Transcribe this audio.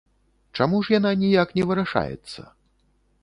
Чаму ж яна ніяк не вырашаецца?